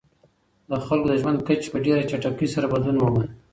د خلګو د ژوند کچې په ډېره چټکۍ سره بدلون وموند.